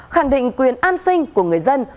khẳng định quyền an sinh của người dân